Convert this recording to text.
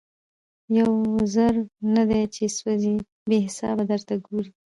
یو وزر نه دی چي سوځي بې حسابه درته ګوري